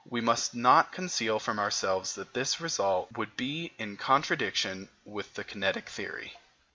We must not conceal from ourselves that this result would be in contradiction with the kinetic theory.